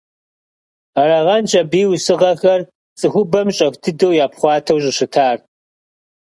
Арагъэнщ абы и усыгъэхэр цӀыхубэм щӀэх дыдэ япхъуатэу щӀыщытар.